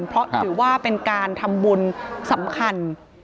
เพราะถือว่าเป็นการทำบุญสำคัญ